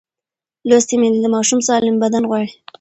لوستې میندې د ماشوم سالم بدن غواړي.